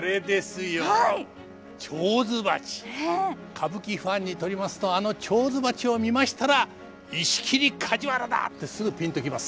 歌舞伎ファンにとりますとあの手水鉢を見ましたら石切梶原だってすぐピンと来ます。